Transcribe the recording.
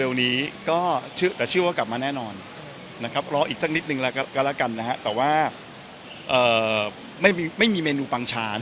เร็วนี้ก็ชื่อตัวชื่อกลับมาแน่นอนรออีกสักนิดนึงก็ละกันนะครับแต่ว่าไม่มีเมนูปังชานะ